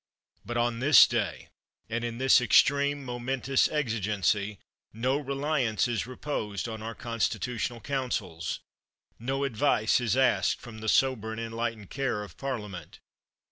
But on this day, and in this extreme momentous exigency, no reliance is reposed on our constitutional coun sels! no advice is asked from the sober and en lightened care of Parliament!